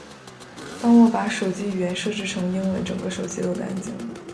当我把手机语言设置成英文，整个手机都干净了